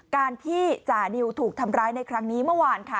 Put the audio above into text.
การที่จานิวถูกทำร้ายในครั้งนี้เมื่อวานค่ะ